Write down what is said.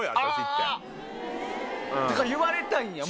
言われたいんや！